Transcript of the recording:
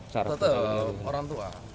tentu orang tua